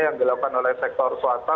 yang dilakukan oleh sektor swasta